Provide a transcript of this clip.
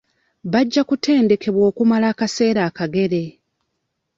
Bajja kutendekebwa okumala kaseera akagere.